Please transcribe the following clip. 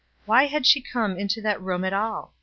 Why had she come into that room at all?